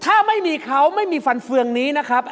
ถ้าไม่มีเขาไม่มีฟันเฟืองนี้นะครับ